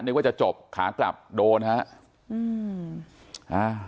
นึกว่าจะจบขากลับโดนครับ